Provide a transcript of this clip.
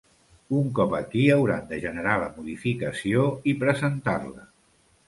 Un cop aquí hauran de generar la modificació i presentar-la.